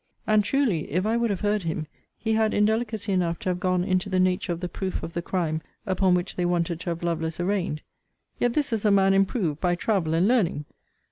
And truly, if I would have heard him, he had indelicacy enough to have gone into the nature of the proof of the crime upon which they wanted to have Lovelace arraigned. Yet this is a man improved by travel and learning!